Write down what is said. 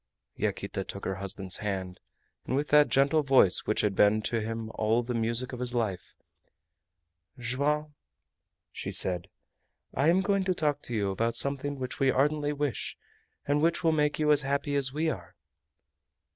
Yaquita took her husband's hand, and with that gentle voice which had been to him all the music of his life: "Joam," she said, "I am going to talk to you about something which we ardently wish, and which will make you as happy as we are."